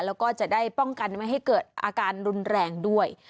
แล้วก็จะได้ป้องกันไม่ให้เกิดอาการรุนแรงด้วย